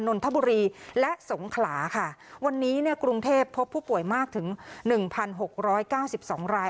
นนทบุรีและสงขลาค่ะวันนี้เนี่ยกรุงเทพพบผู้ป่วยมากถึงหนึ่งพันหกร้อยเก้าสิบสองราย